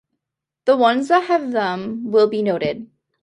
The ones that have them will be noted.